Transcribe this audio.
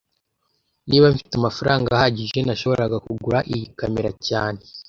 Niba mfite amafaranga ahagije, nashoboraga kugura iyi kamera cyane